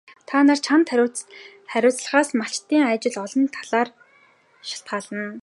Та нарын чанд хариуцлагаас малчдын ажил олон талаар шалтгаална.